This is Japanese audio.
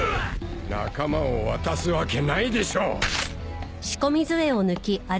仲間を渡すわけないでしょ！